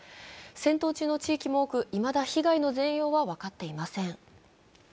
戦闘中の地域も多くいまだ、被害の全容は分かっておりません。